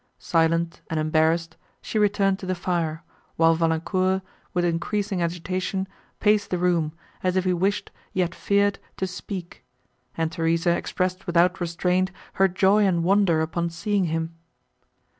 Silent and embarrassed, she returned to the fire, while Valancourt, with increasing agitation, paced the room, as if he wished, yet feared, to speak, and Theresa expressed without restraint her joy and wonder upon seeing him.